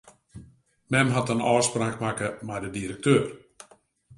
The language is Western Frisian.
Mem hat in ôfspraak makke mei de direkteur.